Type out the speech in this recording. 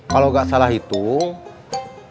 kalau gak salah hitung